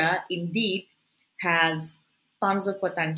memang memiliki banyak potensi